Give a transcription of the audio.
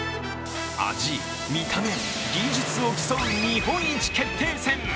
味、見た目、技術を競う日本一決定戦。